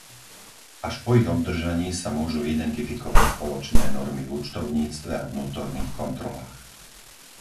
Až po ich obdržaní sa môžu identifikovať spoločné normy v účtovníctve a vnútorných kontrolách.